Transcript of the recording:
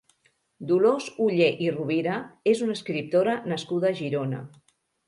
Dolors Oller i Rovira és una escriptora nascuda a Girona.